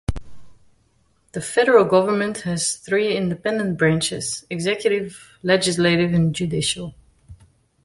The federal government has three independent branches: executive, legislative, and judicial.